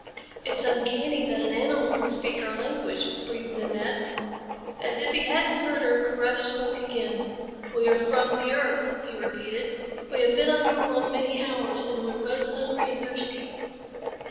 "It's uncanny that an animal can speak our language," breathed Nanette. As if he hadn't heard her, Carruthers spoke again. "We are from the earth," he repeated. "We have been on your world many hours, and we are both hungry and thirsty."